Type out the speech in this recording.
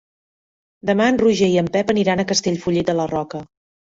Demà en Roger i en Pep aniran a Castellfollit de la Roca.